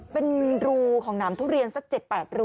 เป็นรูของหนามทุเรียนสัก๗๘รู